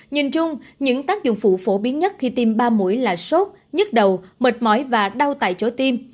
nhìn chung những tác dụng phụ phổ biến nhất khi tiêm ba mũi là sốt nhức đầu mệt mỏi và đau tại chỗ tim